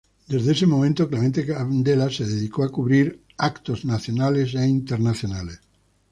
Desde ese entonces, Clemente Cancela se dedicó a cubrir eventos nacionales e internacionales.